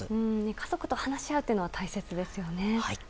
家族と話し合うっていうのは大切ですよね。